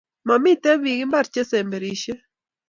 Mamiten pik imbar che semberishe